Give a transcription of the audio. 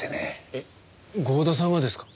えっ剛田さんがですか？